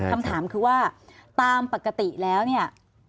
คำถามคือว่าตามปกติแล้วเนี่ย